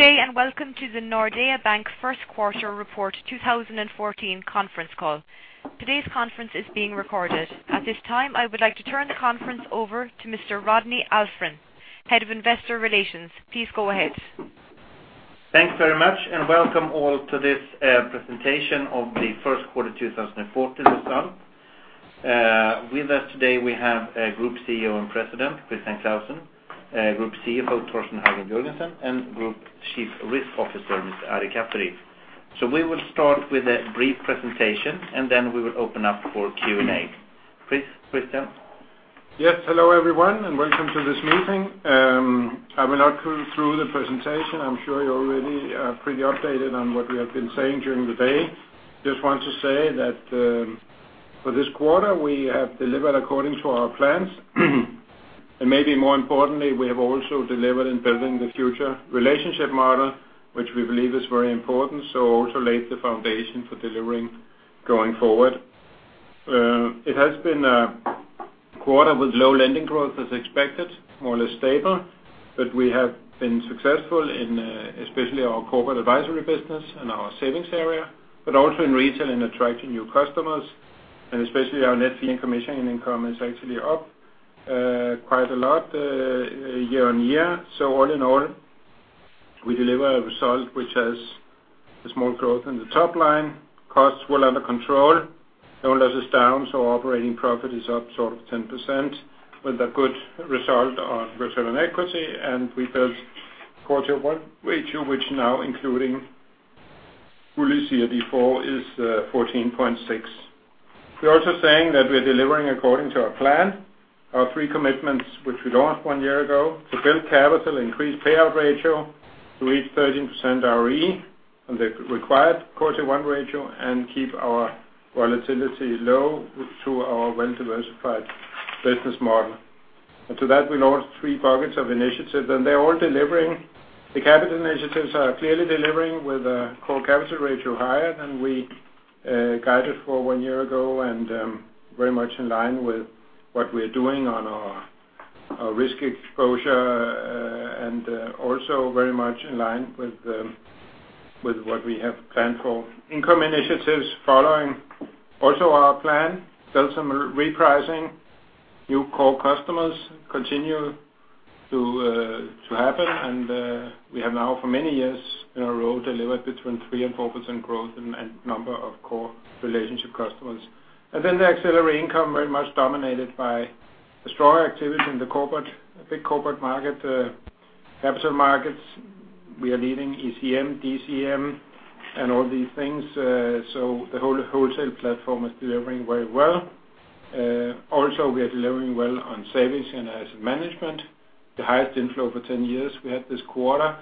Good day and welcome to the Nordea Bank first quarter report 2014 conference call. Today's conference is being recorded. At this time, I would like to turn the conference over to Mr. Rodney Alfvén, Head of Investor Relations. Please go ahead. Thanks very much, welcome all to this presentation of the first quarter 2014 result. With us today we have Group CEO and President, Christian Clausen, Group CFO, Torsten Hagen Jørgensen, and Group Chief Risk Officer, Mr. Ari Kaperi. We will start with a brief presentation, then we will open up for Q&A. Please, Christian. Yes. Hello everyone, welcome to this meeting. I will not go through the presentation. I'm sure you're already pretty updated on what we have been saying during the day. Just want to say that for this quarter, we have delivered according to our plans. Maybe more importantly, we have also delivered in building the future relationship model, which we believe is very important, also lays the foundation for delivering going forward. It has been a quarter with low lending growth as expected, more or less stable, we have been successful in especially our corporate advisory business and our savings area, also in retail in attracting new customers. Especially our net fee and commission income is actually up quite a lot year-on-year. All in all, we deliver a result which has a small growth in the top line. Costs were under control. Loan loss is down, operating profit is up sort of 10%, with a good result on return on equity. We built quarter one ratio, which now including fully CRD IV is 14.6%. We're also saying that we're delivering according to our plan. Our three commitments, which we launched one year ago: To build capital, increase payout ratio to reach 13% ROE on the required quarter one ratio and keep our volatility low through our well-diversified business model. To that, we launched three buckets of initiatives, they're all delivering. The capital initiatives are clearly delivering with a core capital ratio higher than we guided for one year ago, very much in line with what we're doing on our risk exposure also very much in line with what we have planned for. Income initiatives following also our plan. Built some repricing. New core customers continue to happen. We have now for many years in a row delivered between 3% and 4% growth in net number of core relationship customers. The accelerated income very much dominated by the strong activity in the big corporate market, capital markets. We are leading ECM, DCM, and all these things. The whole wholesale platform is delivering very well. Also, we are delivering well on savings and asset management. The highest inflow for 10 years we had this quarter.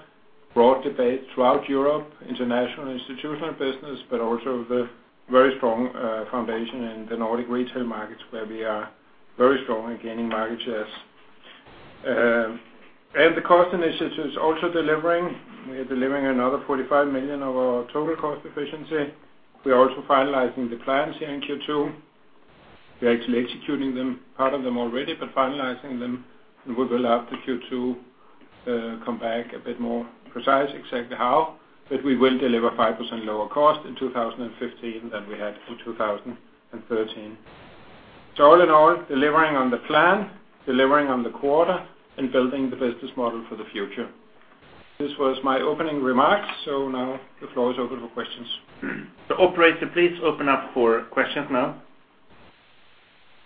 Broad debate throughout Europe, international institutional business, but also the very strong foundation in the Nordic retail markets where we are very strong in gaining market shares. The cost initiatives also delivering. We are delivering another 45 million of our total cost efficiency. We are also finalizing the plans here in Q2. We are actually executing them, part of them already, but finalizing them, and we will after Q2 come back a bit more precise exactly how, but we will deliver 5% lower cost in 2015 than we had in 2013. All in all, delivering on the plan, delivering on the quarter, and building the business model for the future. This was my opening remarks. Now the floor is open for questions. Operator, please open up for questions now.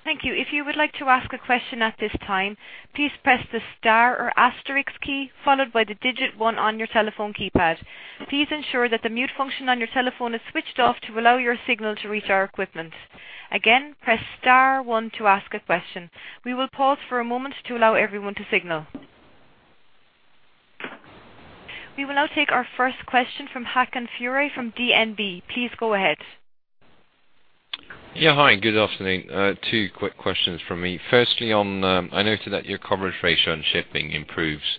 Thank you. If you would like to ask a question at this time, please press the star or asterisk key, followed by the digit 1 on your telephone keypad. Please ensure that the mute function on your telephone is switched off to allow your signal to reach our equipment. Again, press star 1 to ask a question. We will pause for a moment to allow everyone to signal. We will now take our first question from Håkan Fure from DNB. Please go ahead. Yeah. Hi, good afternoon. Two quick questions from me. Firstly, I noted that your coverage ratio on shipping improves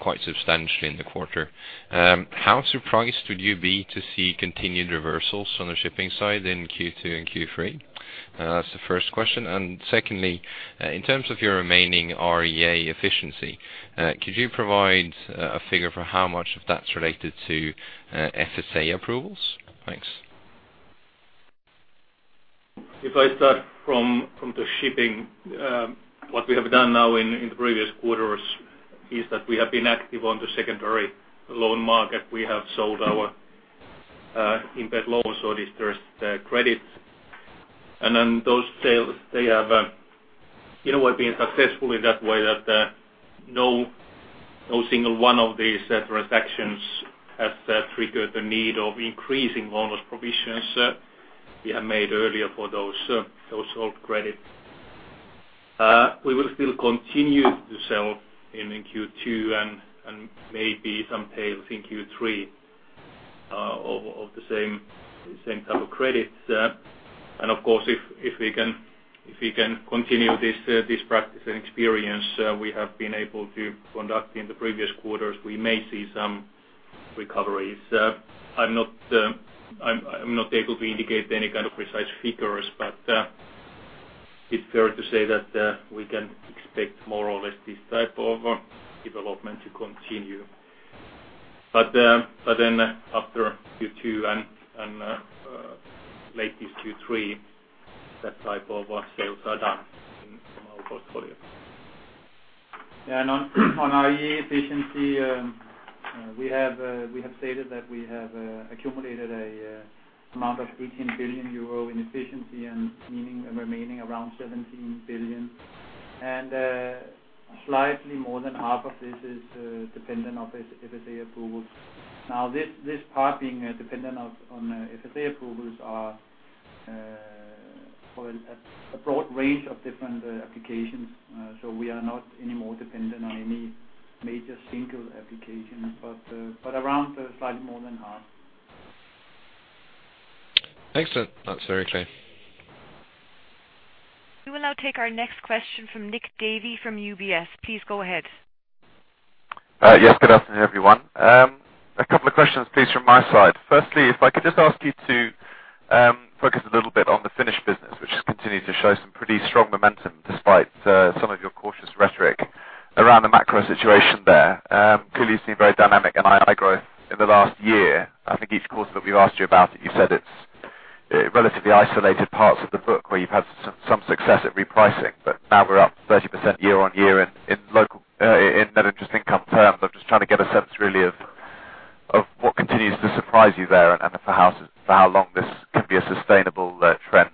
quite substantially in the quarter. How surprised would you be to see continued reversals on the shipping side in Q2 and Q3? That's the first question. Secondly, in terms of your remaining REA efficiency, could you provide a figure for how much of that's related to FSA approvals? Thanks. If I start from the shipping, what we have done now in the previous quarters is that we have been active on the secondary loan market. We have sold our impaired loans or distressed credits. Those sales, they have in a way been successful in that way that no single one of these transactions has triggered the need of increasing loan loss provisions we have made earlier for those sold credits. We will still continue to sell in Q2 and maybe some sales in Q3 of the same type of credits. Of course, if we can continue this practice and experience we have been able to conduct in the previous quarters, we may see some recoveries. I'm not able to indicate any kind of precise figures, but It's fair to say that we can expect more or less this type of development to continue. After Q2 and latest Q3, that type of sales are done from our portfolio. On our efficiency, we have stated that we have accumulated an amount of 18 billion euro in efficiency and remaining around 17 billion. Slightly more than half of this is dependent on FSA approvals. This part being dependent on FSA approvals are for a broad range of different applications. We are not any more dependent on any major single application, but around slightly more than half. Excellent. That's very clear. We will now take our next question from Nick Davey from UBS. Please go ahead. Yes, good afternoon, everyone. A couple of questions, please, from my side. Firstly, if I could just ask you to focus a little bit on the Finnish business, which has continued to show some pretty strong momentum despite some of your cautious rhetoric around the macro situation there. Clearly, it's been very dynamic in in-growth in the last year. I think each quarter that we've asked you about it, you said it's relatively isolated parts of the book where you've had some success at repricing, but now we're up 30% year-on-year in net interest income terms. I'm just trying to get a sense really of what continues to surprise you there and for how long this can be a sustainable trend.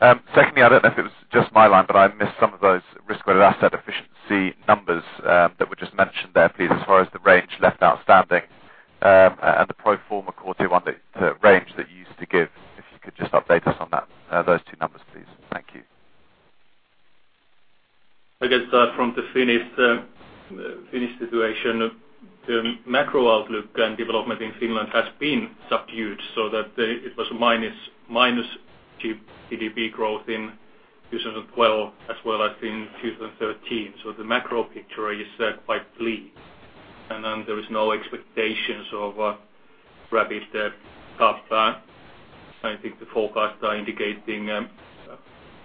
Secondly, I don't know if it was just my line, but I missed some of those Risk-Weighted Asset efficiency numbers that were just mentioned there, please, as far as the range left outstanding. The pro forma Core Tier 1 range that you used to give, if you could just update us on those two numbers, please. Thank you. I guess from the Finnish situation, the macro outlook and development in Finland has been subdued, so that it was minus GDP growth in 2012 as well as in 2013. The macro picture is quite bleak. There is no expectations of rapid upturn. I think the forecasts are indicating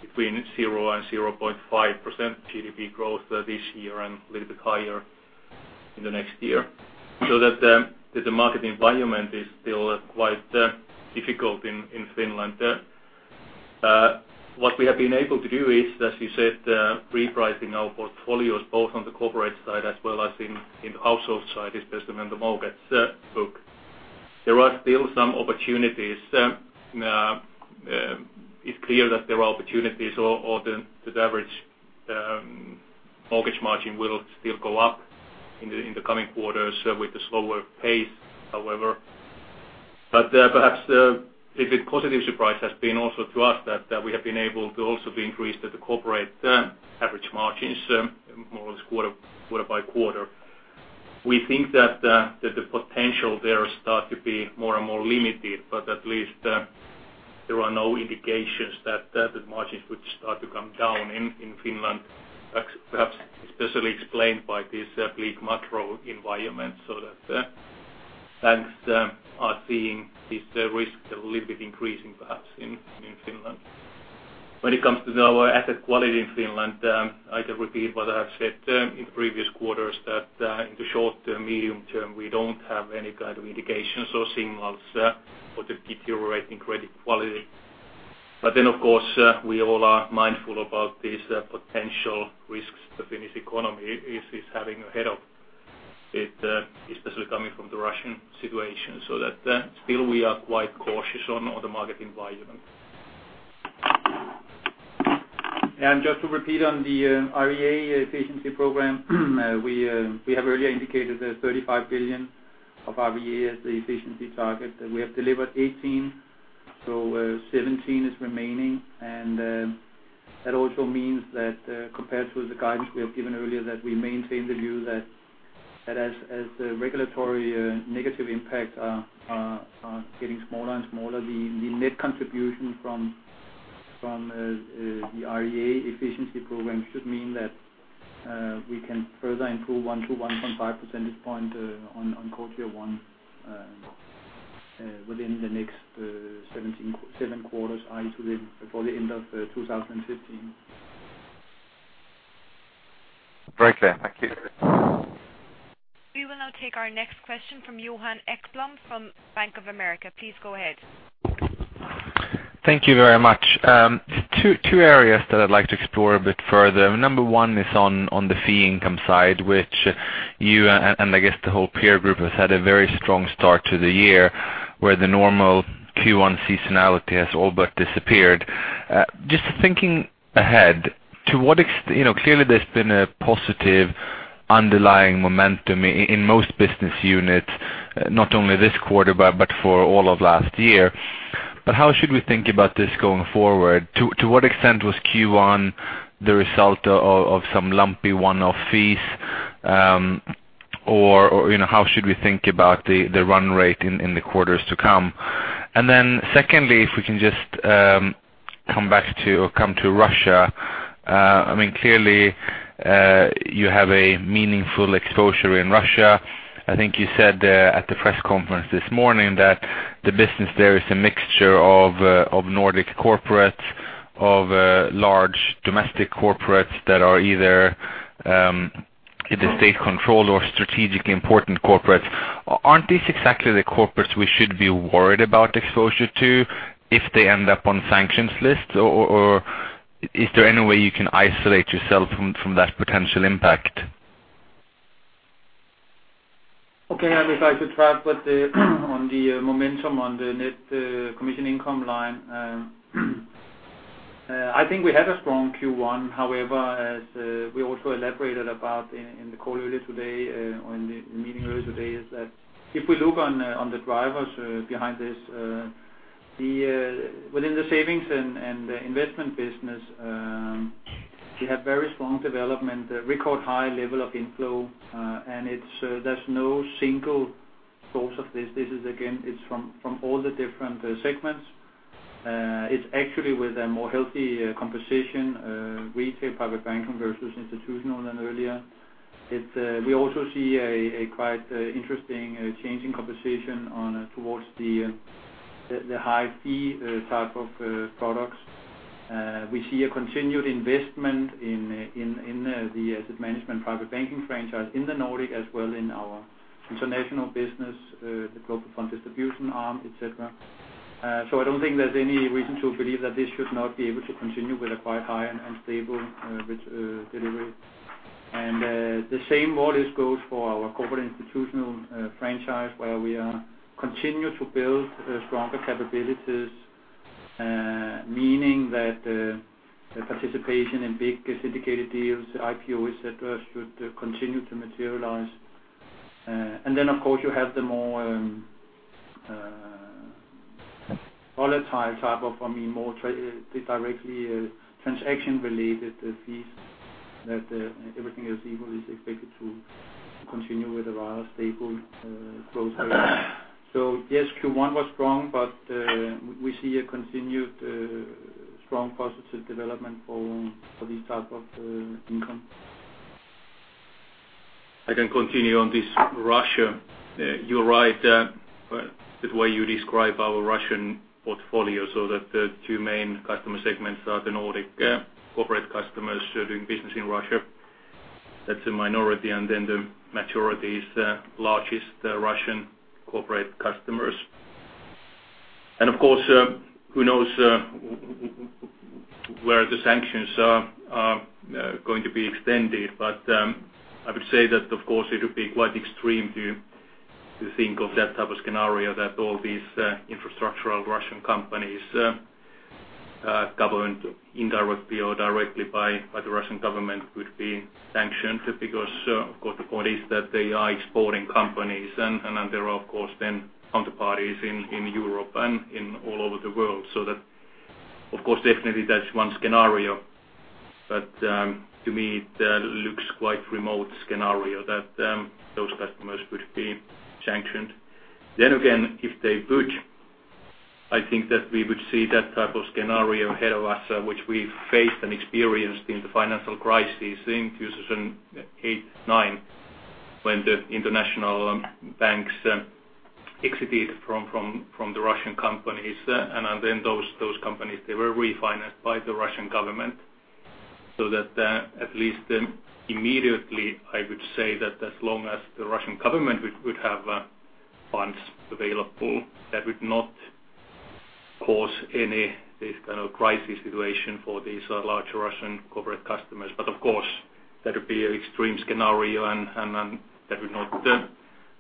between 0 and 0.5% GDP growth this year and a little bit higher in the next year. The market environment is still quite difficult in Finland. What we have been able to do is, as you said, repricing our portfolios, both on the corporate side as well as in the household side, especially on the mortgage book. There are still some opportunities. It is clear that there are opportunities or the average mortgage margin will still go up in the coming quarters with a slower pace, however. Perhaps a bit positive surprise has been also to us that we have been able to also increase the corporate average margins more or less quarter by quarter. We think that the potential there start to be more and more limited, but at least there are no indications that the margins would start to come down in Finland, perhaps especially explained by this bleak macro environment, so that banks are seeing this risk a little bit increasing perhaps in Finland. When it comes to our asset quality in Finland, I can repeat what I have said in previous quarters that in the short term, medium term, we do not have any kind of indications or signals for deteriorating credit quality. Of course, we all are mindful about these potential risks the Finnish economy is having ahead of it, especially coming from the Russian situation, so that still we are quite cautious on the market environment. Just to repeat on the RWA efficiency program, we have earlier indicated that 35 billion of RWA is the efficiency target. We have delivered 18, so 17 is remaining, and that also means that compared to the guidance we have given earlier, that we maintain the view that as the regulatory negative impact are getting smaller and smaller, the net contribution from the RWA efficiency program should mean that we can further improve 1 to 1.5 percentage point on Core Tier 1 within the next seven quarters until before the end of 2015. Very clear. Thank you. We will now take our next question from Johan Ekblom from Bank of America. Please go ahead. Thank you very much. Two areas that I'd like to explore a bit further. Number 1 is on the fee income side, which you and I guess the whole peer group has had a very strong start to the year, where the normal Q1 seasonality has all but disappeared. Just thinking ahead, clearly there's been a positive underlying momentum in most business units, not only this quarter but for all of last year. How should we think about this going forward? To what extent was Q1 the result of some lumpy one-off fees? How should we think about the run rate in the quarters to come? Secondly, if we can just come to Russia. Clearly, you have a meaningful exposure in Russia. I think you said at the press conference this morning that the business there is a mixture of Nordic corporates, of large domestic corporates that are either state-controlled or strategically important corporates. Aren't these exactly the corporates we should be worried about exposure to if they end up on sanctions lists? Is there any way you can isolate yourself from that potential impact? Okay. I would like to try put on the momentum on the net commission income line. I think we had a strong Q1. However, as we also elaborated about in the call earlier today or in the meeting earlier today, is that if we look on the drivers behind this, within the savings and the investment business, we have very strong development, a record high level of inflow. There's no single source of this. This is, again, from all the different segments. It's actually with a more healthy composition, retail private banking versus institutional than earlier. We also see a quite interesting change in composition towards the high fee type of products. We see a continued investment in the asset management private banking franchise in the Nordic as well in our international business, the global fund distribution arm, et cetera. I don't think there's any reason to believe that this should not be able to continue with a quite high and stable delivery. The same more or less goes for our corporate institutional franchise, where we are continuing to build stronger capabilities, meaning that the participation in big syndicated deals, IPO, et cetera, should continue to materialize. Then, of course, you have the more volatile type of, more directly transaction-related fees that everything else equal is expected to continue with a rather stable growth area. Yes, Q1 was strong, but we see a continued strong positive development for these types of income. I can continue on this. Russia. You're right. That's why you describe our Russian portfolio so that the two main customer segments are the Nordic corporate customers doing business in Russia. That's a minority, and then the majority is the largest Russian corporate customers. Of course, who knows where the sanctions are going to be extended. I would say that, of course, it would be quite extreme to think of that type of scenario, that all these infrastructural Russian companies, government, indirectly or directly by the Russian government would be sanctioned because, of course, the point is that they are exporting companies, and there are, of course, then counter-parties in Europe and all over the world. That, of course, definitely that's one scenario. To me, it looks quite remote scenario that those customers would be sanctioned. Again, if they would, I think that we would see that type of scenario ahead of us, which we faced and experienced in the financial crisis in 2008, 2009, when the international banks exited from the Russian companies and then those companies, they were refinanced by the Russian government. At least immediately, I would say that as long as the Russian government would have funds available, that would not cause any, this kind of crisis situation for these large Russian corporate customers. Of course, that would be an extreme scenario, and that would not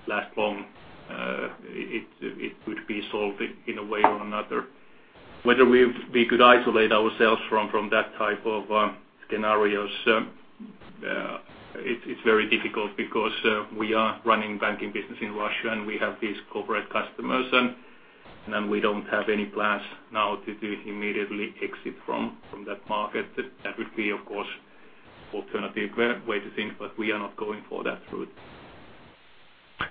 last long. It would be solved in a way or another. Whether we could isolate ourselves from that type of scenarios, it's very difficult because we are running banking business in Russia, and we have these corporate customers, and we don't have any plans now to immediately exit from that market. That would be, of course, alternative way to think, we are not going for that route.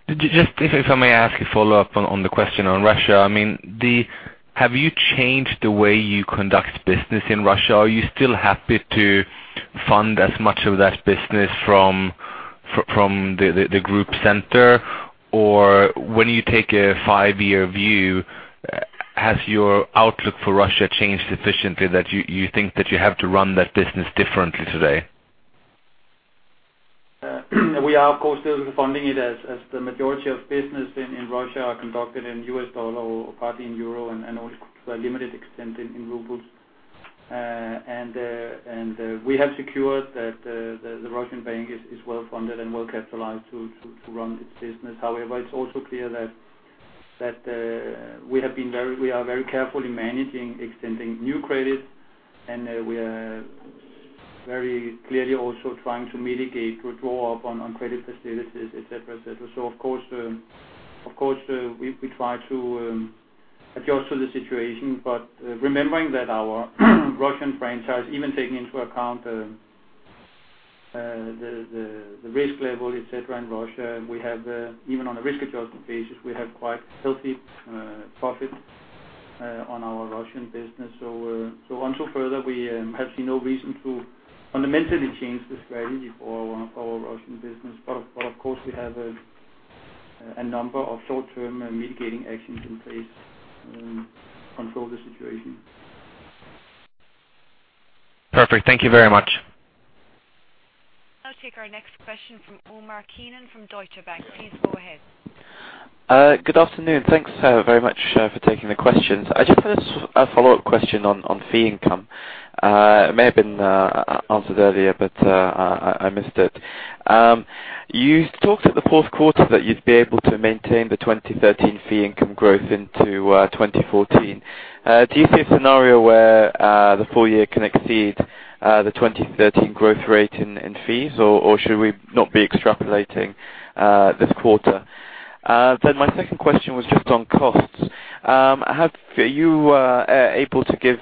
If I may ask a follow-up on the question on Russia. Have you changed the way you conduct business in Russia? Are you still happy to fund as much of that business from the group center? When you take a five-year view, has your outlook for Russia changed sufficiently that you think that you have to run that business differently today? We are, of course, still funding it as the majority of business in Russia are conducted in US dollar or partly in EUR and also to a limited extent in RUB. We have secured that the Russian bank is well-funded and well-capitalized to run its business. However, it's also clear that we are very careful in managing extending new credit, and we are very clearly also trying to mitigate, withdraw up on credit facilities, et cetera. Of course, we try to adjust to the situation, but remembering that our Russian franchise, even taking into account the risk level, et cetera, in Russia. Even on a risk-adjustment basis, we have quite healthy profit on our Russian business. Until further, we have seen no reason to fundamentally change the strategy for our Russian business. Of course, we have a number of short-term mitigating actions in place to control the situation. Perfect. Thank you very much. I'll take our next question from Omar Keenan from Deutsche Bank. Please go ahead. Good afternoon. Thanks very much for taking the questions. I just had a follow-up question on fee income. It may have been answered earlier, but I missed it. You talked at the fourth quarter that you'd be able to maintain the 2013 fee income growth into 2014. Do you see a scenario where the full year can exceed the 2013 growth rate in fees, or should we not be extrapolating this quarter? My second question was just on costs. Are you able to give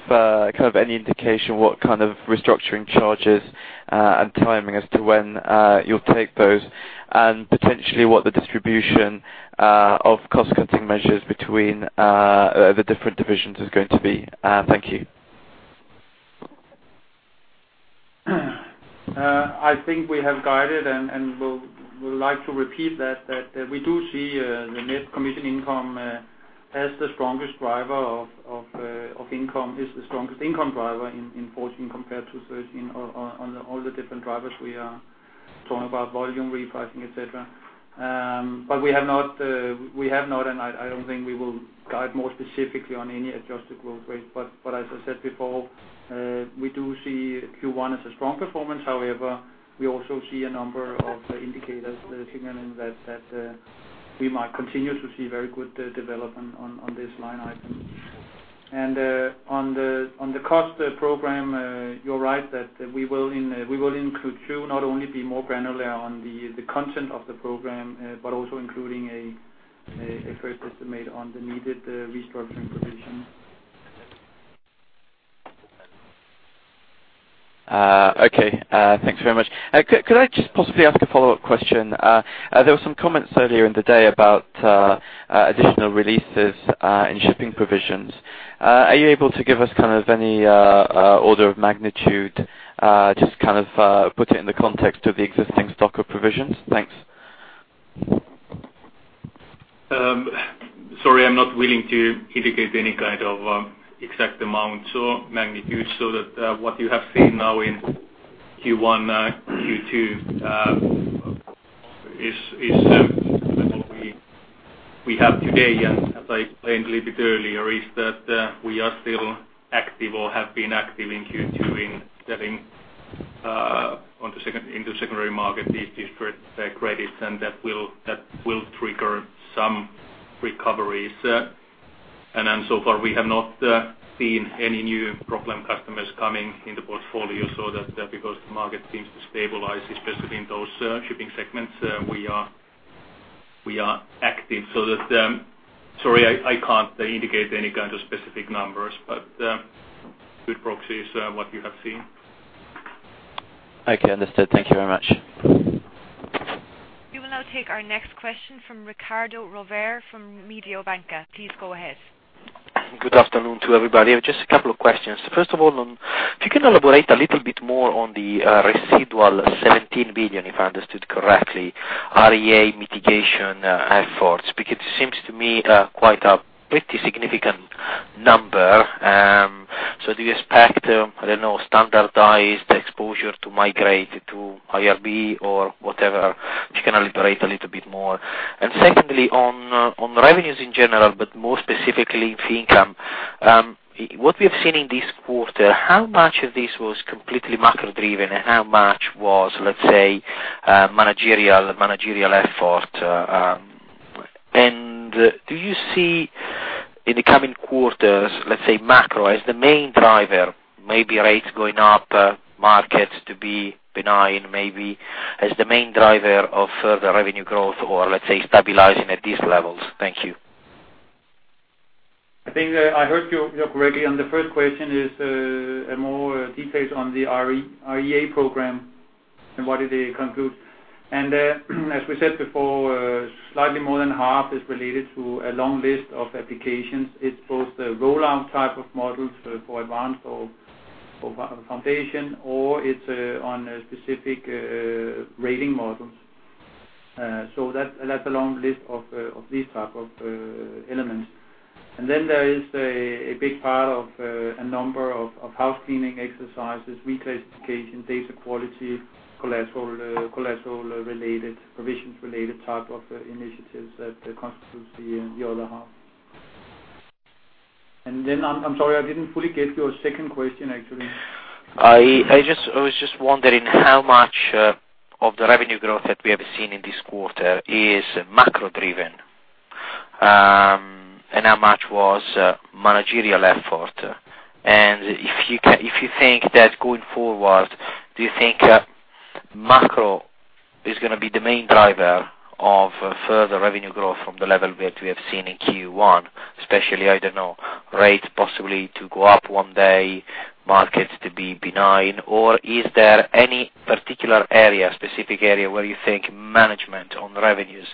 any indication what kind of restructuring charges and timing as to when you'll take those, and potentially what the distribution of cost-cutting measures between the different divisions is going to be? Thank you. I think we have guided, and we'll like to repeat that we do see the net commission income as the strongest driver of income, is the strongest income driver in 2014 compared to 2013 on all the different drivers we are talking about, volume repricing, et cetera. We have not, and I don't think we will guide more specifically on any adjusted growth rate. As I said before, we do see Q1 as a strong performance. However, we also see a number of indicators signaling that we might continue to see very good development on this line item. On the cost program, you're right that we will in Q2 not only be more granular on the content of the program, but also including a first estimate on the needed restructuring provision. Okay, thanks very much. Could I just possibly ask a follow-up question? There were some comments earlier in the day about additional releases in shipping provisions. Are you able to give us any order of magnitude, just put it in the context of the existing stock of provisions? Thanks. Sorry, I'm not willing to indicate any kind of exact amount or magnitude. That what you have seen now in Q1, Q2 is what we have today, and as I explained a little bit earlier, is that we are still active or have been active in Q2 in selling into secondary market these credits, and that will trigger some recoveries. So far, we have not seen any new problem customers coming in the portfolio. That because the market seems to stabilize, especially in those shipping segments, we are active. Sorry, I can't indicate any kind of specific numbers, but good proxy is what you have seen. Okay, understood. Thank you very much. We will now take our next question from Riccardo Rovere from Mediobanca. Please go ahead. Good afternoon to everybody. Just a couple of questions. First of all, if you can elaborate a little bit more on the residual 17 billion, if I understood correctly, REA mitigation efforts, because it seems to me quite a pretty significant number. Do you expect, I don't know, standardized exposure to migrate to IRB or whatever? If you can elaborate a little bit more. Secondly, on revenues in general, but more specifically fee income. What we have seen in this quarter, how much of this was completely macro-driven and how much was, let's say, managerial effort? Do you see in the coming quarters, let's say macro as the main driver, maybe rates going up, markets to be benign, maybe as the main driver of further revenue growth or let's say stabilizing at these levels? Thank you. I think I heard you correctly on the first question is more details on the REA program and what did they conclude. As we said before, slightly more than half is related to a long list of applications. It's both the rollout type of models for advance or foundation, or it's on specific rating models. That's a long list of these type of elements. Then there is a big part of a number of housecleaning exercises, reclassification, data quality, collateral-related, provisions-related type of initiatives that constitutes the other half. Then I'm sorry, I didn't fully get your second question, actually. I was just wondering how much of the revenue growth that we have seen in this quarter is macro-driven, and how much was managerial effort. If you think that going forward, do you think macro is going to be the main driver of further revenue growth from the level that we have seen in Q1, especially, I don't know, rate possibly to go up one day, markets to be benign. Is there any particular area, specific area, where you think management on revenues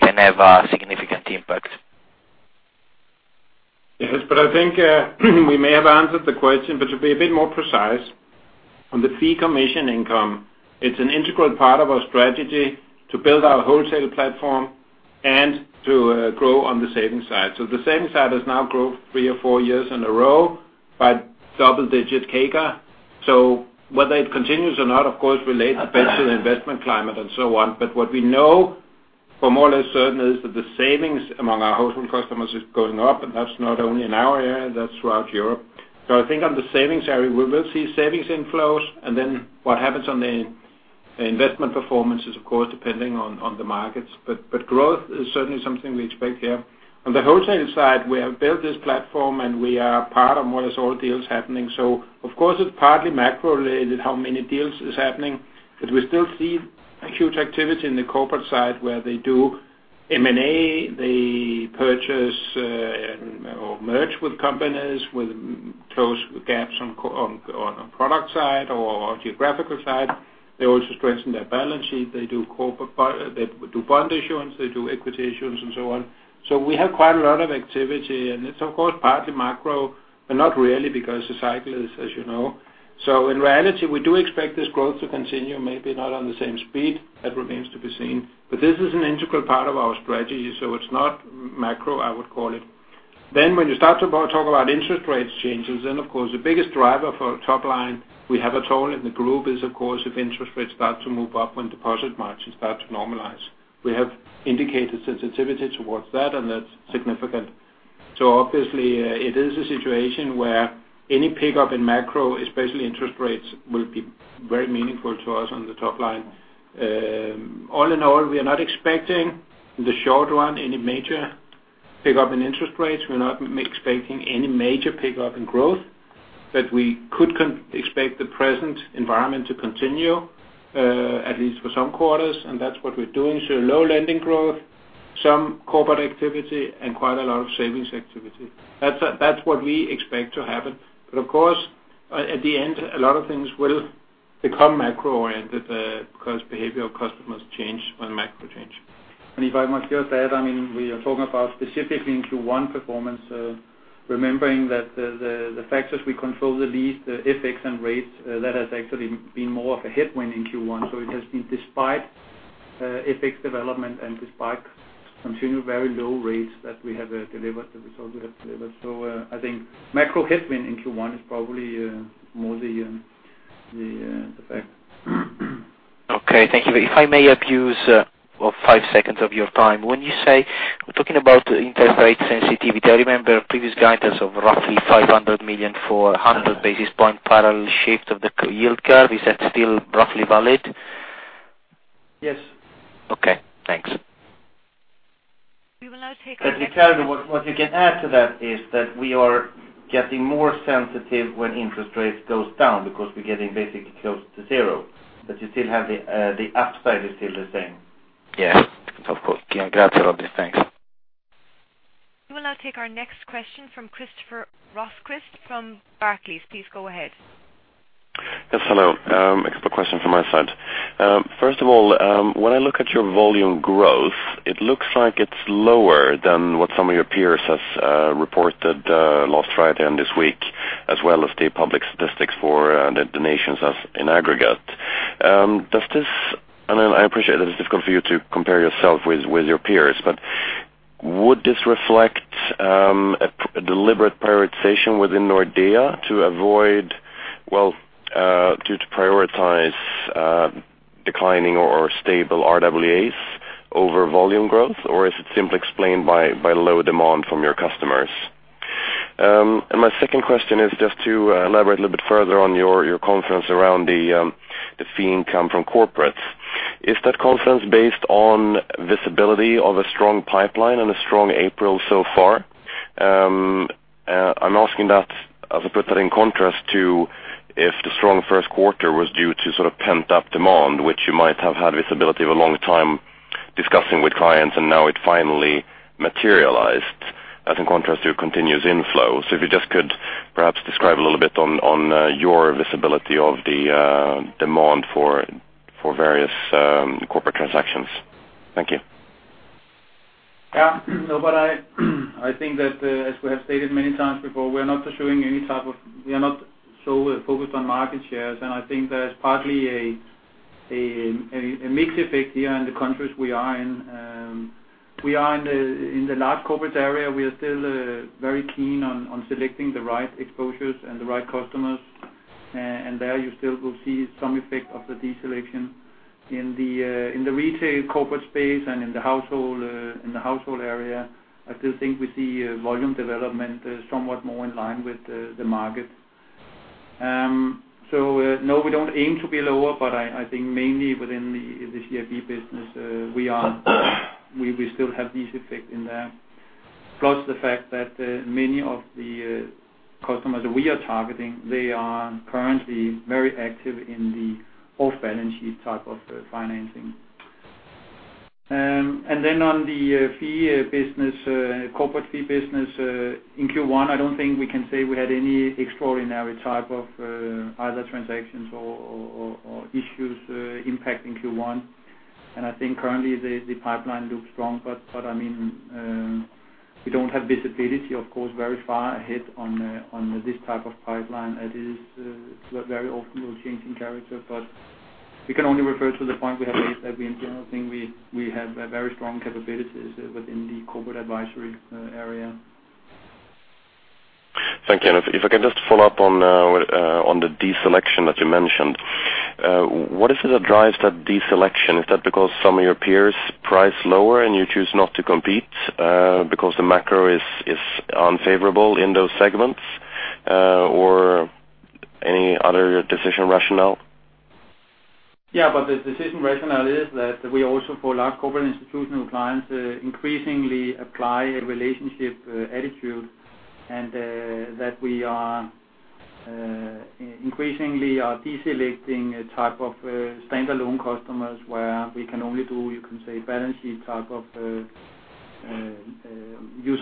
can have a significant impact? Yes, I think we may have answered the question, but to be a bit more precise, on the fee commission income, it's an integral part of our strategy to build our wholesale platform and to grow on the savings side. The savings side has now grown three or four years in a row by double-digit CAGR. Whether it continues or not, of course, relates a bit to the investment climate and so on. What we know for more or less certain is that the savings among our household customers is going up, and that's not only in our area, that's throughout Europe. I think on the savings area, we will see savings inflows, and then what happens on the investment performance is of course depending on the markets. Growth is certainly something we expect here. On the wholesale side, we have built this platform. We are part of more or less all deals happening. Of course, it's partly macro-related how many deals is happening. We still see a huge activity in the corporate side where they do M&A, they purchase or merge with companies, close gaps on product side or geographical side. They're also strengthening their balance sheet. They do bond issuance, they do equity issuance, and so on. We have quite a lot of activity, and it's of course partly macro, but not really because the cycle is as you know. In reality, we do expect this growth to continue, maybe not on the same speed. That remains to be seen. This is an integral part of our strategy, so it's not macro, I would call it. When you start to talk about interest rates changes, then of course, the biggest driver for top line we have at all in the group is, of course, if interest rates start to move up when deposit margins start to normalize. We have indicated sensitivity towards that, and that's significant. Obviously, it is a situation where any pickup in macro, especially interest rates, will be very meaningful to us on the top line. All in all, we are not expecting in the short run any major pickup in interest rates. We're not expecting any major pickup in growth. We could expect the present environment to continue, at least for some quarters, and that's what we're doing. Low lending growth, some corporate activity, and quite a lot of savings activity. That's what we expect to happen. Of course, at the end, a lot of things will become macro-oriented because behavior of customers change when macro change. If I might just add, we are talking about specifically in Q1 performance, remembering that the factors we control the least, the FX and rates, that has actually been more of a headwind in Q1. It has been despite FX development and despite continued very low rates that we have delivered the result we have delivered. I think macro headwind in Q1 is probably more the effect. Okay, thank you. If I may abuse five seconds of your time. When you say we're talking about interest rate sensitivity, I remember previous guidance of roughly 500 million for 100 basis point parallel shift of the yield curve. Is that still roughly valid? Yes. Okay, thanks. We will now take our next Riccardo, what you can add to that is that we are getting more sensitive when interest rates goes down because we're getting basically close to zero. The upside is still the same. Yeah. Of course. I'm glad for all this. Thanks. We will now take our next question from Christoffer Råquist from Barclays. Please go ahead. Yes, hello. A couple of questions from my side. First of all, when I look at your volume growth, it looks like it is lower than what some of your peers have reported last Friday and this week, as well as the public statistics for the nations as in aggregate. I appreciate that it is difficult for you to compare yourself with your peers. Would this reflect a deliberate prioritization within Nordea to prioritize declining or stable RWAs over volume growth, or is it simply explained by lower demand from your customers? My second question is just to elaborate a little bit further on your confidence around the fee income from corporates. Is that confidence based on visibility of a strong pipeline and a strong April so far? I am asking that as I put that in contrast to if the strong first quarter was due to sort of pent-up demand, which you might have had visibility of a long time discussing with clients, and now it finally materialized as in contrast to a continuous inflow. If you just could perhaps describe a little bit on your visibility of the demand for various corporate transactions. Thank you. Yeah. I think that as we have stated many times before, we are not so focused on market shares, and I think there's partly a mixed effect here in the countries we are in. We are in the large corporate area. We are still very keen on selecting the right exposures and the right customers, and there you still will see some effect of the deselection. In the retail corporate space and in the household area, I still think we see volume development somewhat more in line with the market. No, we don't aim to be lower, but I think mainly within the CIB business, we still have this effect in there. Plus the fact that many of the customers we are targeting, they are currently very active in the off-balance sheet type of financing. On the corporate fee business in Q1, I don't think we can say we had any extraordinary type of either transactions or issues impacting Q1. I think currently the pipeline looks strong, but we don't have visibility, of course, very far ahead on this type of pipeline. It very often will change in character, but we can only refer to the point we have made that we in general think we have very strong capabilities within the corporate advisory area. Thank you. If I can just follow up on the deselection that you mentioned. What is it that drives that deselection? Is that because some of your peers price lower and you choose not to compete because the macro is unfavorable in those segments, or any other decision rationale? Yeah, the decision rationale is that we also, for large corporate institutional clients, increasingly apply a relationship attitude and that we are increasingly deselecting a type of standalone customers where we can only use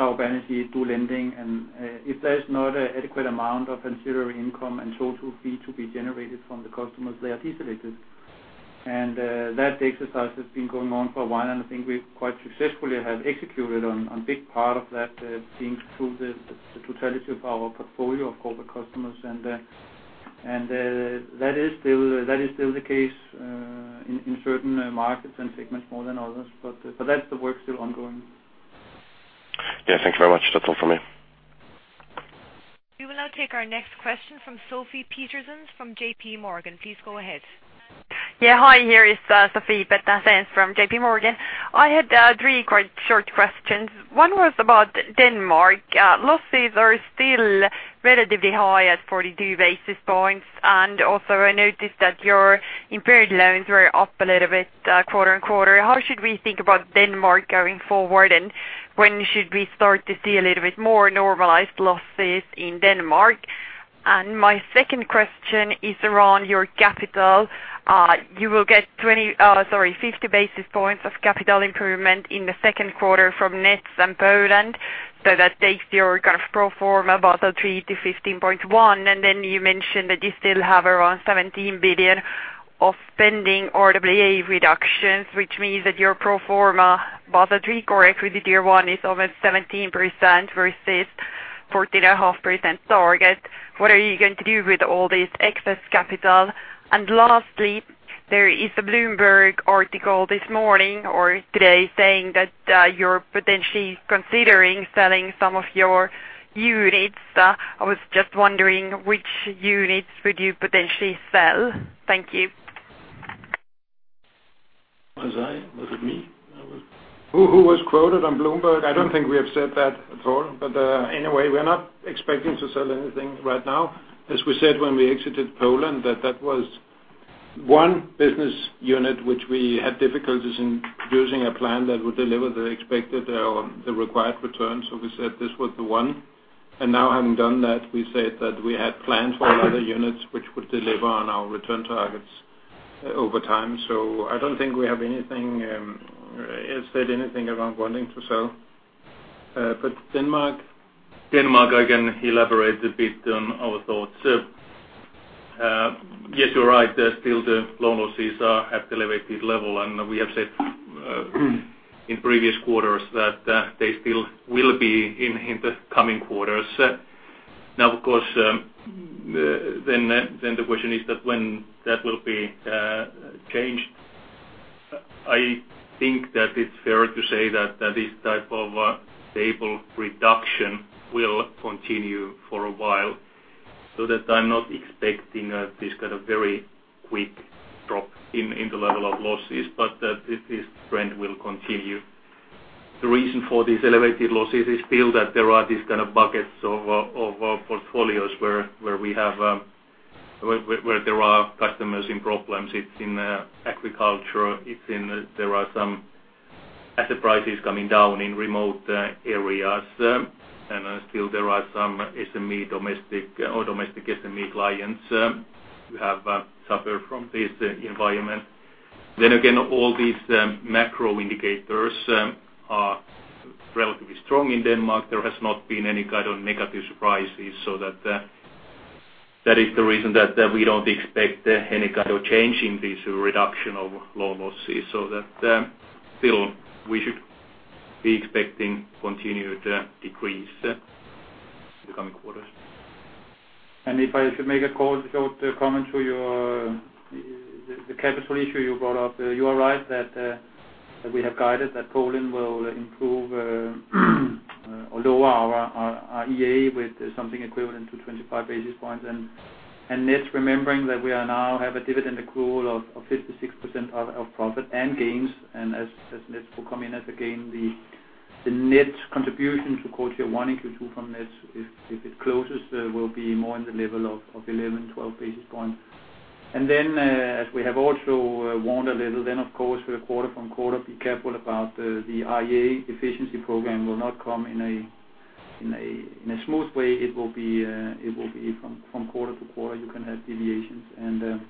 our balance sheet, do lending, and if there's not an adequate amount of ancillary income and total fee to be generated from the customers, they are deselected. That exercise has been going on for a while, and I think we quite successfully have executed on big part of that being through the totality of our portfolio of corporate customers. That is still the case in certain markets and segments more than others, but that's the work still ongoing. Yeah, thank you very much. That's all from me. We will now take our next question from Sophie Petersen from JP Morgan. Please go ahead. Yeah, hi, here is Sophie Petersen from JP Morgan. I had three quite short questions. One was about Denmark. Losses are still relatively high at 42 basis points, and also I noticed that your impaired loans were up a little bit quarter-on-quarter. How should we think about Denmark going forward, and when should we start to see a little bit more normalized losses in Denmark? My second question is around your capital. You will get 50 basis points of capital improvement in the second quarter from Nets and Poland. That takes your kind of pro forma Basel III to 15.1%. Then you mentioned that you still have around 17 billion of spending RWA reductions, which means that your pro forma Basel III Core Equity Tier 1 is almost 17% versus 14.5% target. What are you going to do with all this excess capital? Lastly, there is a Bloomberg article this morning or today saying that you're potentially considering selling some of your units. I was just wondering which units would you potentially sell? Thank you. Was I? Was it me? Who was quoted on Bloomberg? I don't think we have said that at all. Anyway, we're not expecting to sell anything right now. As we said when we exited Poland that was one business unit which we had difficulties in producing a plan that would deliver the expected or the required return. We said this was the one. Now having done that, we said that we had plans for other units which would deliver on our return targets over time. I don't think we have said anything around wanting to sell. Denmark, I can elaborate a bit on our thoughts. Yes, you're right, still the loan losses are at elevated level, and we have said in previous quarters that they still will be in the coming quarters. Of course, the question is that when that will be changed. I think that it's fair to say that this type of stable reduction will continue for a while, I'm not expecting this kind of very quick drop in the level of losses, but that this trend will continue. The reason for these elevated losses is still that there are these kind of buckets of portfolios where there are customers in problems. It's in agriculture, there are some asset prices coming down in remote areas, and still there are some domestic SME clients who have suffered from this environment. Again, all these macro indicators are relatively strong in Denmark. There has not been any kind of negative surprises, that is the reason that we don't expect any kind of change in this reduction of loan losses. Still we should be expecting continued decrease in the coming quarters. If I should make a short comment to the capital issue you brought up, you are right that we have guided that Poland will improve or lower our REA with something equivalent to 25 basis points. Nets remembering that we now have a dividend accrual of 56% of profit and gains, and as Nets will come in as a gain, the net contribution to Q1 and Q2 from Nets, if it closes, will be more in the level of 11, 12 basis points. Then, as we have also warned a little, of course, quarter from quarter, be careful about the REA efficiency program will not come in a smooth way. It will be from quarter to quarter. You can have deviations.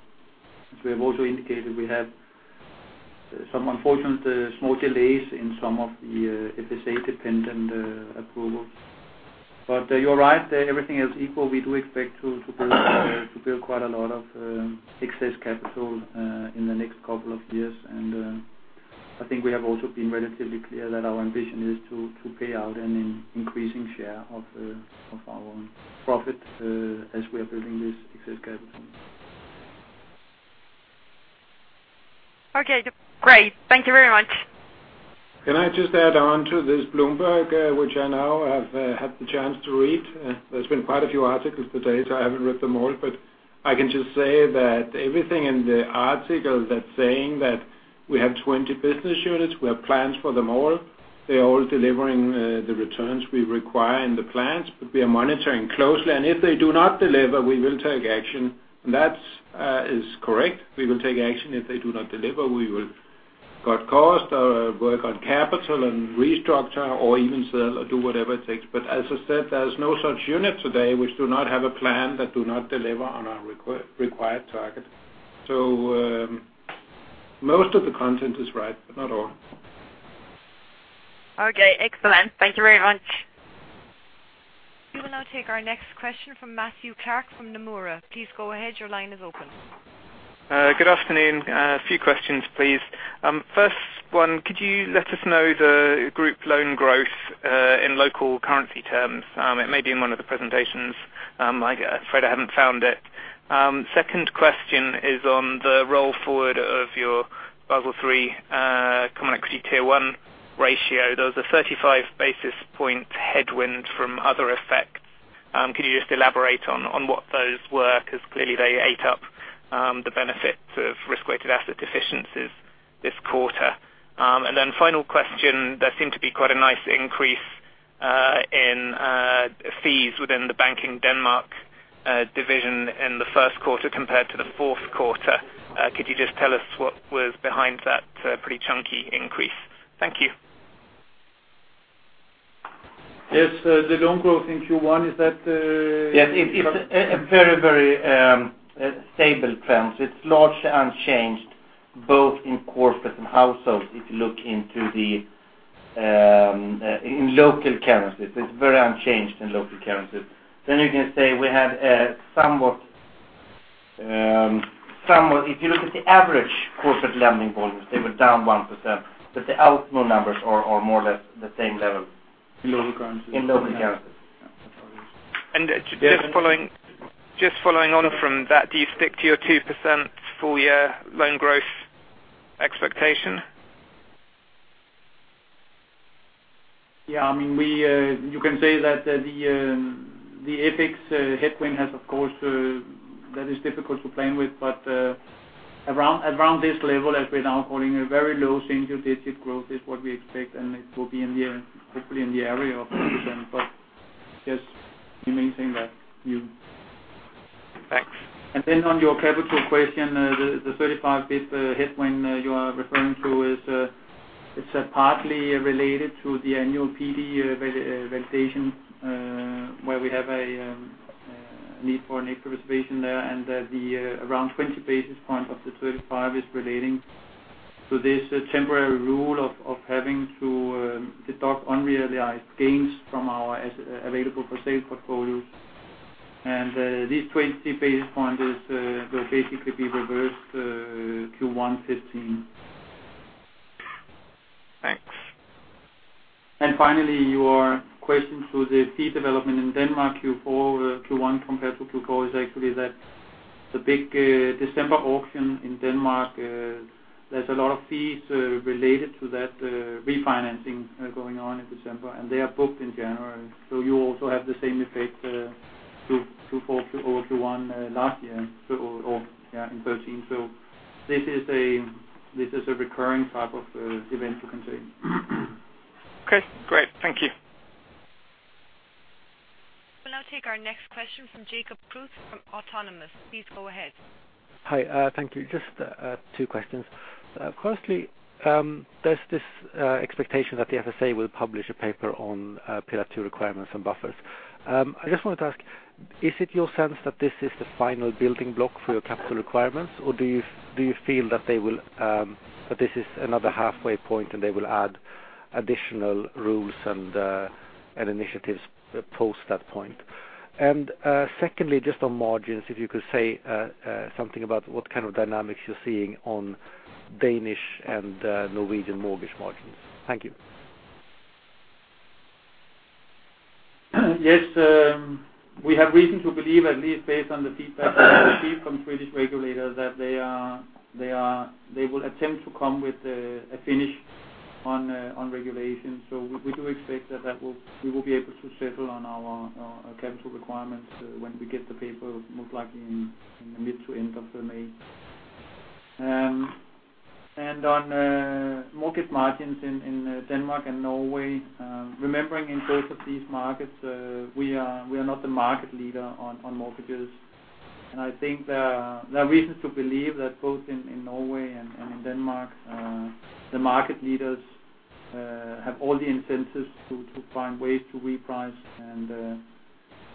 As we have also indicated, we have some unfortunate small delays in some of the FSA-dependent approvals. You're right, everything else equal, we do expect to build quite a lot of excess capital in the next couple of years. I think we have also been relatively clear that our ambition is to pay out an increasing share of our own profit as we are building this excess capital. Okay. Great. Thank you very much. Can I just add on to this Bloomberg, which I now have had the chance to read? There has been quite a few articles to date. I haven't read them all, but I can just say that everything in the article that is saying that we have 20 business units, we have plans for them all, they are all delivering the returns we require in the plans. We are monitoring closely, if they do not deliver, we will take action. That is correct. We will take action if they do not deliver. We will cut cost or work on capital and restructure or even sell or do whatever it takes. As I said, there is no such unit today which do not have a plan that do not deliver on our required target. Most of the content is right, but not all. Okay, excellent. Thank you very much. We will now take our next question from Matthew Clark from Nomura. Please go ahead. Your line is open. Good afternoon. A few questions, please. First one, could you let us know the group loan growth in local currency terms? It may be in one of the presentations. I'm afraid I haven't found it. Second question is on the roll forward of your Basel III Common Equity Tier 1 ratio. There was a 35 basis point headwind from other effects. Can you just elaborate on what those were? Clearly they ate up the benefit of risk-weighted asset efficiencies this quarter. Final question, there seemed to be quite a nice increase in fees within the Bank in Denmark division in the first quarter compared to the fourth quarter. Could you just tell us what was behind that pretty chunky increase? Thank you. Yes. The loan growth in Q1, is that? Yes, it's a very stable trend. It's largely unchanged, both in corporate and household. If you look in local currencies, it's very unchanged in local currencies. You can say we have If you look at the average corporate lending volumes, they were down 1%, but the outstanding loan numbers are more or less the same level. In local currencies. In local currencies. That's how it is. Just following on from that, do you stick to your 2% full-year loan growth expectation? Yeah, you can say that the FX headwind has, of course, that is difficult to plan with. Around this level, as we are now calling a very low single-digit growth is what we expect, and it will be hopefully in the area of 2%. Thanks. On your capital question, the 35 basis points headwind you are referring to is partly related to the annual PD valuation, where we have a need for an equity reservation there. Around 20 basis points of the 35 is relating to this temporary rule of having to deduct unrealized gains from our available-for-sale portfolio. These 20 basis points will basically be reversed Q1 2015. Thanks. Finally, your question to the fee development in Denmark Q1 compared to Q4 is actually that the big December auction in Denmark, there's a lot of fees related to that refinancing going on in December, and they are booked in January. You also have the same effect Q4 over Q1 last year or in 2013. This is a recurring type of event to contain. Okay, great. Thank you. We'll now take our next question from Jacob Kruse from Autonomous. Please go ahead. Hi. Thank you. Just two questions. Firstly, there's this expectation that the FSA will publish a paper on Pillar 2 requirements and buffers. I just wanted to ask, is it your sense that this is the final building block for your capital requirements, or do you feel that this is another halfway point and they will add additional rules and initiatives post that point? Secondly, just on margins, if you could say something about what kind of dynamics you're seeing on Danish and Norwegian mortgage margins. Thank you. Yes. We have reason to believe, at least based on the feedback that we received from Swedish regulators, that they will attempt to come with a finish on regulation. We do expect that we will be able to settle on our capital requirements when we get the paper, most likely in the mid to end of May. On mortgage margins in Denmark and Norway, remembering in both of these markets we are not the market leader on mortgages. I think there are reasons to believe that both in Norway and in Denmark, the market leaders have all the incentives to find ways to reprice.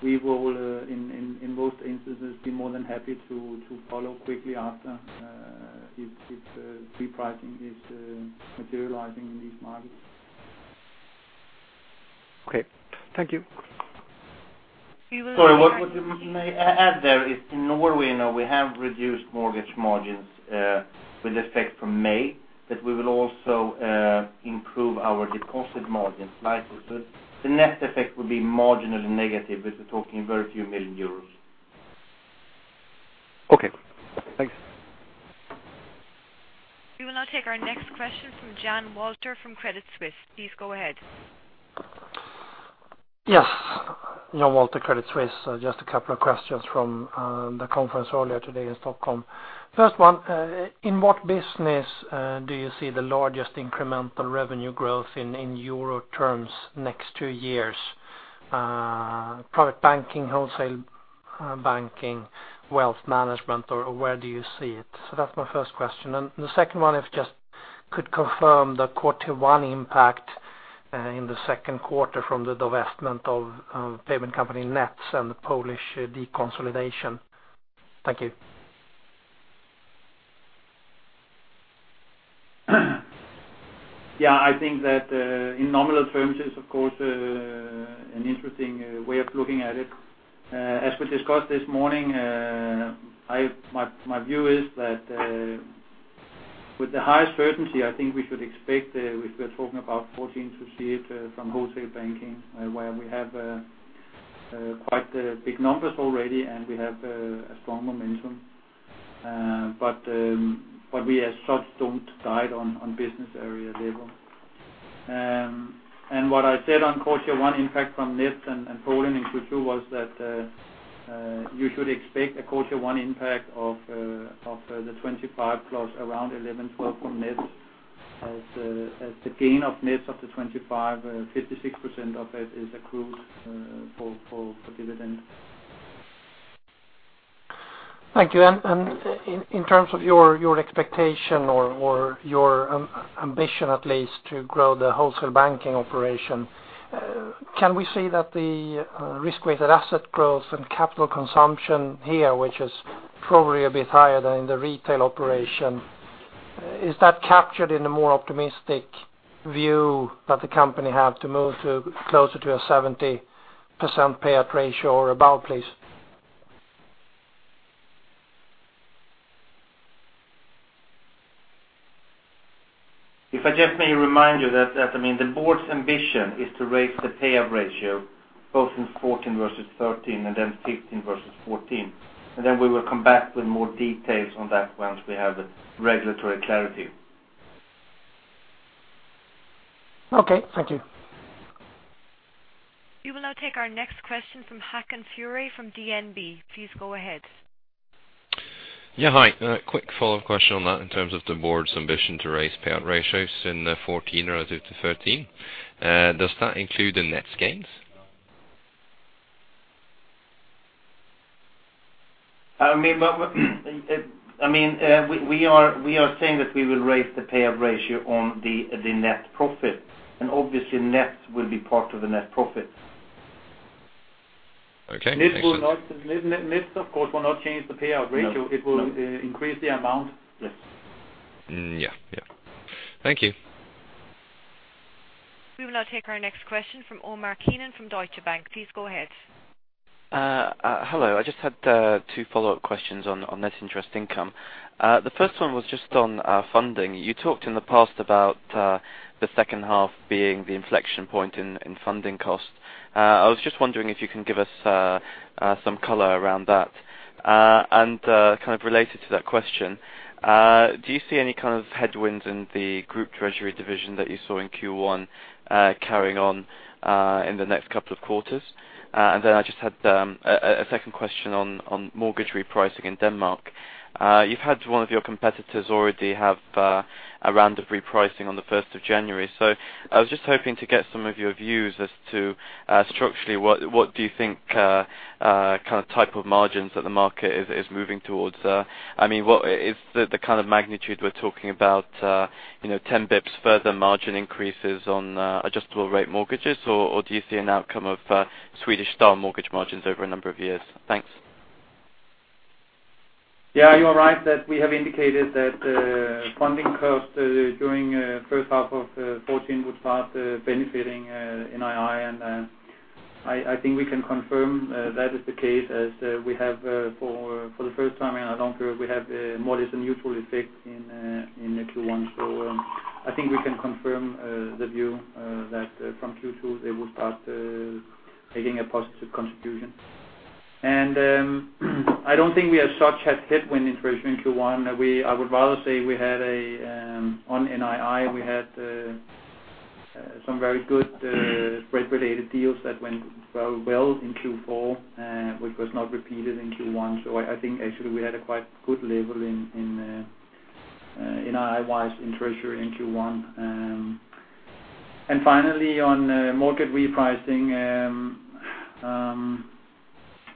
We will, in most instances, be more than happy to follow quickly after if repricing is materializing in these markets. Okay. Thank you. We will now take our next- Sorry, what I may add there is in Norway now we have reduced mortgage margins with effect from May, that we will also improve our deposit margin slightly. The net effect will be marginally negative, but we're talking very few million EUR. Okay. Thanks. We will now take our next question from Jan Wolter from Credit Suisse. Please go ahead. Yes. Jan Wolter, Credit Suisse. Just a couple of questions from the conference earlier today in Stockholm. First one, in what business do you see the largest incremental revenue growth in EUR terms next two years? Private banking, wholesale banking, wealth management, or where do you see it? That's my first question. The second one is just could confirm the quarter one impact in the second quarter from the divestment of payment company Nets and the Polish deconsolidation. Thank you. Yeah, I think that in nominal terms is, of course, an interesting way of looking at it. As we discussed this morning, my view is that with the highest certainty, I think we should expect if we're talking about 2014 to see it from Wholesale Banking, where we have quite big numbers already, and we have a strong momentum. We as such don't guide on business area level. What I said on quarter one impact from Nets and Poland in Q2 was that you should expect a quarter one impact of the 25 plus around 11, 12 from Nets as the gain of Nets of the 25, 56% of it is accrued for dividend. Thank you. In terms of your expectation or your ambition at least to grow the Wholesale Banking operation, can we say that the risk-weighted asset growth and capital consumption here, which is probably a bit higher than in the Retail operation, is that captured in the more optimistic view that the company have to move to closer to a 70% payout ratio or about, please? If I just may remind you that the board's ambition is to raise the payout ratio both in 2014 versus 2013, then 2015 versus 2014. Then we will come back with more details on that once we have the regulatory clarity. Okay. Thank you. We will now take our next question from Håkan Fure from DNB. Please go ahead. Yeah. Hi. Quick follow-up question on that in terms of the board's ambition to raise payout ratios in 2014 relative to 2013. Does that include the Nets gains? We are saying that we will raise the payout ratio on the net profit. Obviously Nets will be part of the net profit. Okay. Makes sense. Nets, of course, will not change the payout ratio. No. It will increase the amount. Yes. Yeah. Thank you. We will now take our next question from Omar Keenan from Deutsche Bank. Please go ahead. Hello. I just had two follow-up questions on net interest income. The first one was just on funding. You talked in the past about the second half being the inflection point in funding costs. I was just wondering if you can give us some color around that. Kind of related to that question, do you see any kind of headwinds in the Group Treasury division that you saw in Q1 carrying on in the next couple of quarters? I just had a second question on mortgage repricing in Denmark. You've had one of your competitors already have a round of repricing on the 1st of January. I was just hoping to get some of your views as to structurally what do you think type of margins that the market is moving towards? Is the kind of magnitude we're talking about 10 basis points further margin increases on adjustable rate mortgages, or do you see an outcome of Swedish style mortgage margins over a number of years? Thanks. Yeah. You are right that we have indicated that funding costs during first half of 2014 would start benefiting NII. I think we can confirm that is the case as we have for the first time in a long period, we have more or less a neutral effect in the Q1. I think we can confirm the view that from Q2 it will start taking a positive contribution. I don't think we as such had headwind in Treasury in Q1. I would rather say on NII we had Some very good spread-related deals that went very well in Q4, which was not repeated in Q1. I think actually we had a quite good level in NII in Treasury in Q1. Finally, on mortgage repricing,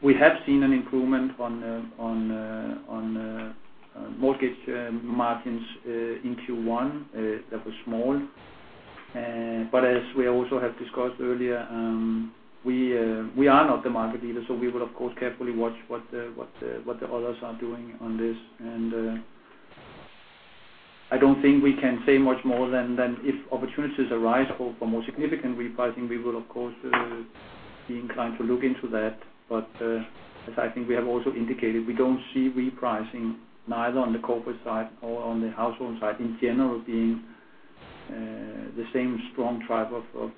we have seen an improvement on mortgage margins in Q1 that was small. As we also have discussed earlier, we are not the market leader, so we will of course carefully watch what the others are doing on this. I don't think we can say much more than if opportunities arise or for more significant repricing, we will of course be inclined to look into that. As I think we have also indicated, we don't see repricing neither on the corporate side or on the household side in general being the same strong driver of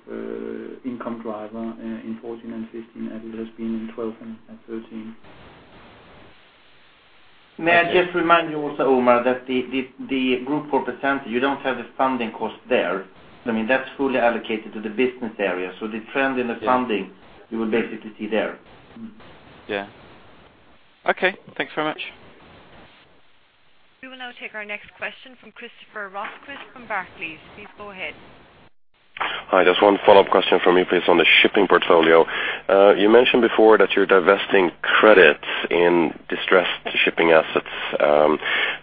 income driver in 2014 and 2015 as it has been in 2012 and 2013. May I just remind you also, Omar, that the Group 4%, you don't have the funding cost there. That's fully allocated to the business area. The trend in the funding you will basically see there. Yeah. Okay. Thank you very much. We will now take our next question from Christoffer Råquist from Barclays. Please go ahead. Hi. Just one follow-up question from me, please, on the shipping portfolio. You mentioned before that you're divesting credits in distressed shipping assets. I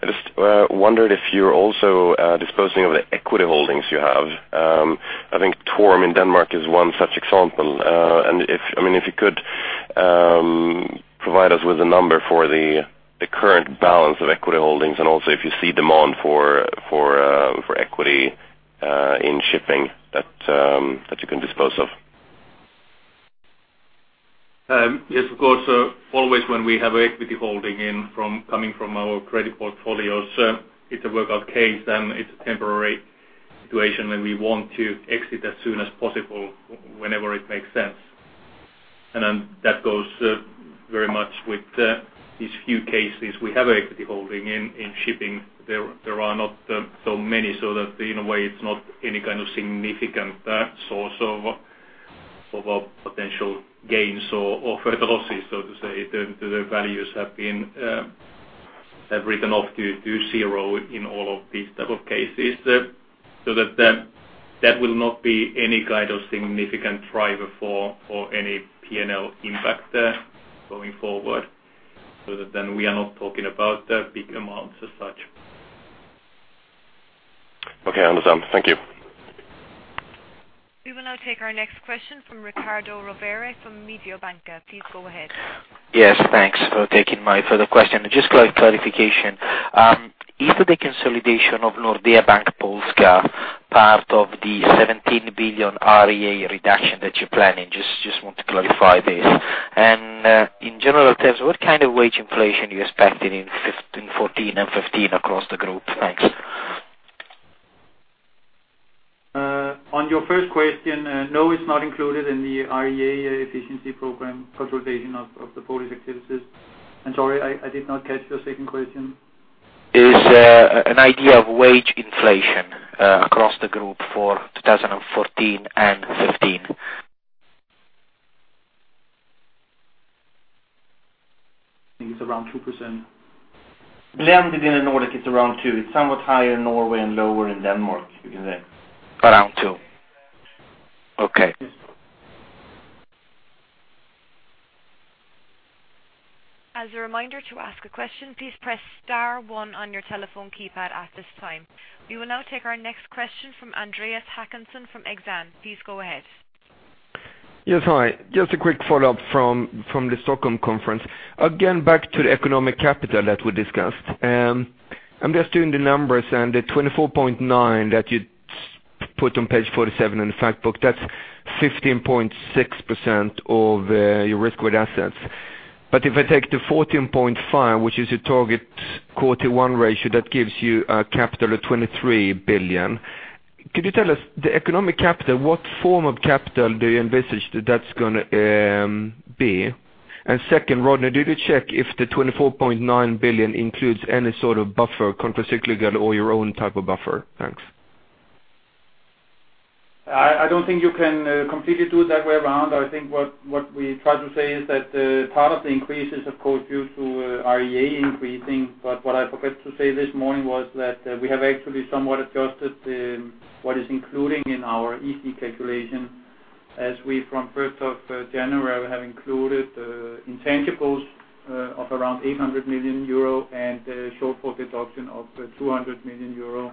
just wondered if you're also disposing of the equity holdings you have. I think TORM in Denmark is one such example. If you could provide us with a number for the current balance of equity holdings and also if you see demand for equity in shipping that you can dispose of. Yes, of course, always when we have equity holding coming from our credit portfolios, it's a workout case then it's a temporary situation and we want to exit as soon as possible whenever it makes sense. That goes very much with these few cases we have equity holding in shipping. There are not so many so that in a way it's not any kind of significant source of potential gains or further losses, so to say. The values have written off to zero in all of these type of cases. That will not be any kind of significant driver for any P&L impact there going forward, so that then we are not talking about big amounts as such. Okay. Understood. Thank you. We will now take our next question from Riccardo Rovere from Mediobanca. Please go ahead. Yes, thanks for taking my further question. Just clarification. Is the consolidation of Nordea Bank Polska part of the 17 billion REA reduction that you're planning? Just want to clarify this. In general terms, what kind of wage inflation you expected in 2014 and 2015 across the group? Thanks. On your first question, no, it's not included in the REA efficiency program consolidation of the Polish activities. Sorry, I did not catch your second question. Is an idea of wage inflation across the group for 2014 and 2015. I think it's around 2%. Blended in the Nordic it's around two. It's somewhat higher in Norway and lower in Denmark, you can say. Around two. Okay. Yes. As a reminder to ask a question, please press star one on your telephone keypad at this time. We will now take our next question from Andreas Håkansson from Exane. Please go ahead. Yes. Hi. Just a quick follow-up from the Stockholm conference. Again, back to the economic capital that we discussed. I'm just doing the numbers and the 24.9 that you put on page 47 in the fact book, that's 15.6% of your risk-weighted assets. If I take the 14.5, which is your target Q1 ratio, that gives you a capital of 23 billion. Could you tell us the economic capital, what form of capital do you envisage that that's going to be? Second, Rodney, did you check if the 24.9 billion includes any sort of buffer, countercyclical or your own type of buffer? Thanks. I don't think you can completely do it that way around. I think what we try to say is that part of the increase is of course due to REA increasing. What I forgot to say this morning was that we have actually somewhat adjusted what is including in our EC calculation. As we from 1st of January have included intangibles of around 800 million euro and short book adoption of 200 million euro.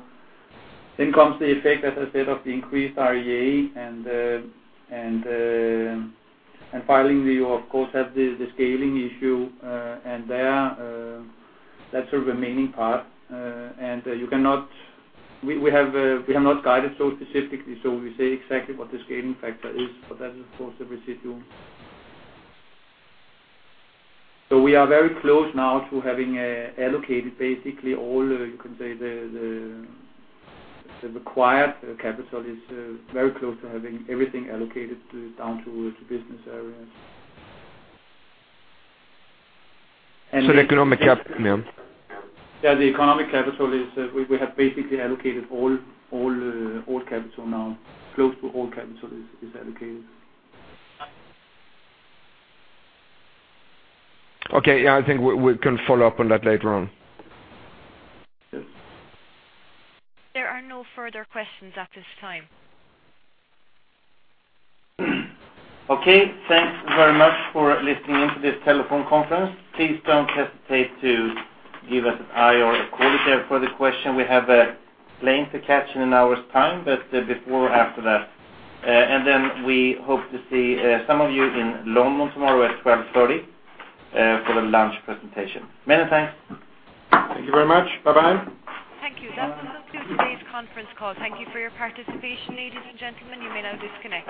Comes the effect, as I said, of the increased REA, and finally, we of course have the scaling issue, and that's the remaining part. We have not guided so specifically, so we say exactly what the scaling factor is, but that is of course the residual. We are very close now to having allocated basically all you can say the required capital is very close to having everything allocated down to business areas. The economic capital, yeah. Yeah, the economic capital is we have basically allocated all capital now, close to all capital is allocated. Okay. Yeah, I think we can follow up on that later on. Yes. There are no further questions at this time. Okay. Thanks very much for listening in to this telephone conference. Please don't hesitate to give us a line or a call if you have further question. We have a plane to catch in an hour's time, but before or after that. We hope to see some of you in London tomorrow at 12:30 P.M. for the lunch presentation. Many thanks. Thank you very much. Bye-bye. Thank you. That concludes today's conference call. Thank you for your participation, ladies and gentlemen. You may now disconnect.